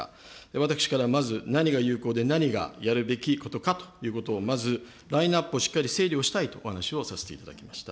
私からまず、何が有効で、何がやるべきことかということをまずラインナップをしっかり整理をしたいというお話をさせていただきました。